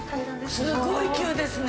◆すごい急ですね。